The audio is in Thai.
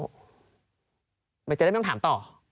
มันจะได้ไม่ต้องถามต่อ